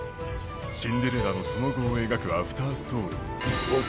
シンデレラのその後を描くアフターストーリー。